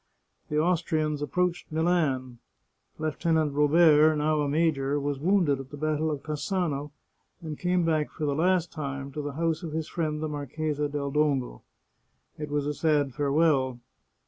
The Austrians approached Milan; Lieutenant Robert, now a major, was wounded at the battle of Cassano, and came back for the last time to the house of his friend the Marchesa del Dongo. It was a sad farewell.